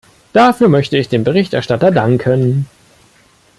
Dafür möchte ich dem Berichterstatter danken.